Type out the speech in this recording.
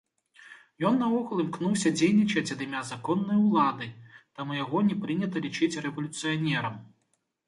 Ён наогул імкнуўся дзейнічаць ад імя законнай улады, таму яго не прынята лічыць рэвалюцыянерам.